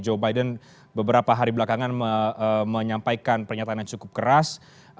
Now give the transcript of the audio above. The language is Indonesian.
joe biden beberapa hari belakangan menyampaikan pernyataan yang cukup keras